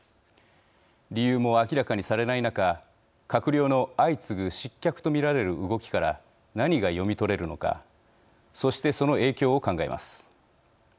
理由も明らかにされない中閣僚の相次ぐ失脚と見られる動きから何が読み取れるのかそして、その影響を考えます。